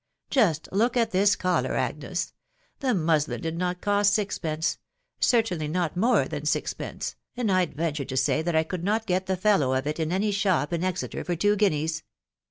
Just look at tin* cottar, Agnes ; the muslin did not •coot sixpence ».... certainly not more than if&penee, and I'd ven ture tooaytthat I could not get the fellow of it in any shop in Exeter for two guineas.